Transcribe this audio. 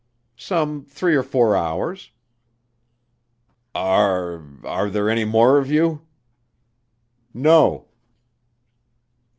"Some three or four hours." "Are are there any more of you?" "No."